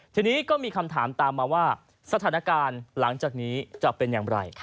ทีนี้ก็มีคำถามตามมาว่าสถานการณ์หลังจากนี้จะเป็นอย่างไร